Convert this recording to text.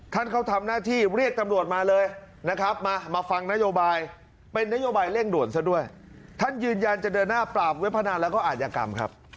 ท่านเขาทำหน้าที่เรียกตำรวจมาเลยนะครับมามาฟังนโยบายเป็นนโยบายเร่งด่วนซะด้วยท่านยืนยันจะเดินหน้าปราบเว็บพนันแล้วก็อาจยกรรมครับ